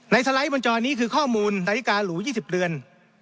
สไลด์บนจอนี้คือข้อมูลนาฬิกาหรู๒๐เรือน